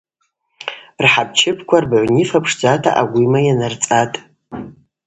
Рхӏапчыпква, рбыгӏвнифа пшдзата агвима йанырцӏатӏ.